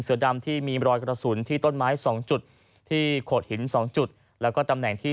เสือดำที่มีรอยกระสุนที่ต้นไม้๒จุดที่โขดหิน๒จุดแล้วก็ตำแหน่งที่